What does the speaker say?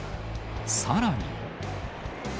さらに。